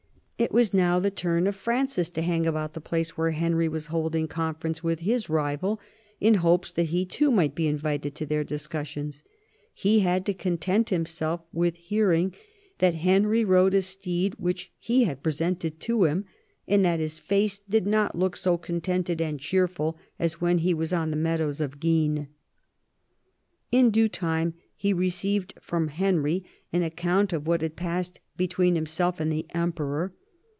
It was now the turn of Francis to hang about the place where Henry was holding conference with his rival, in hopes that he too might be invited to their discussions. He had to content himself with hearing that Henry rode a steed which he had presented to him, and that his face did not look so contented and cheerful as when he was on the meadows of Guisnes. In d!ue time he received from Henry an account of what had passed between himself and the Emperor.